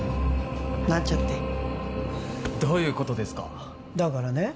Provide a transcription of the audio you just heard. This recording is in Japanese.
なんちゃってどういうことですかだからね